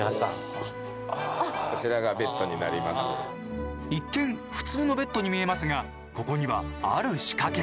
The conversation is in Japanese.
一見普通のベッドに見えますがここにはある仕掛けが。